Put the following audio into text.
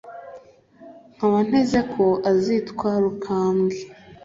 nkaba nteze ko azitwa rukambwe.